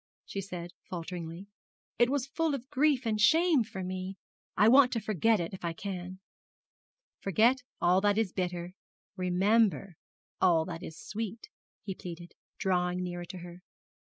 she said, falteringly. 'It was full of grief and shame for me. I want to forget it if I can.' 'Forget all that is bitter, remember all that is sweet!' he pleaded, drawing nearer to her.